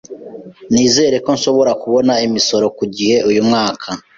Nizere ko nshobora kubona imisoro ku gihe uyu mwaka.